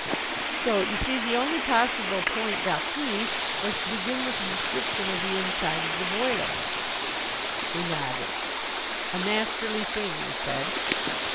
"So you see the only possible point d'appui was to begin with a description of the inside of the boiler." We nodded. "A masterly thing," we said.